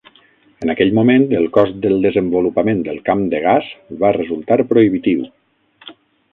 En aquell moment, el cost del desenvolupament del camp de gas va resultar prohibitiu.